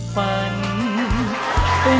ไม่ใช้